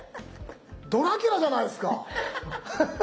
ドラキュラじゃないすか！